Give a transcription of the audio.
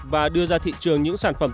và đưa ra thị trường những sản phẩm